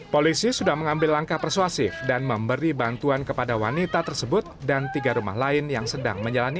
polisi sudah mengambil langkah persuasif dan memberi bantuan kepada wanita tersebut dan tiga rumah lain yang sedang menjalani